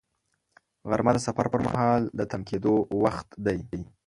غرمه د سفر پر مهال د تم کېدو وخت دی